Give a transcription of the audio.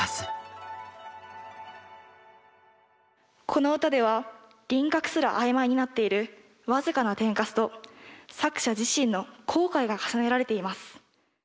この歌では輪郭すら曖昧になっている僅かな天カスと作者自身の後悔が重ねられています。